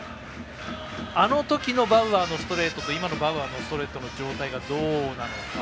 あの時のバウアーのストレートと今のバウアーのストレートの状態がどうなのか。